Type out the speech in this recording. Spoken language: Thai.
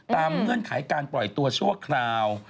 ตามเมื่องขายการปล่อยตัวชั่วคราว